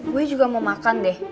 gue juga mau makan deh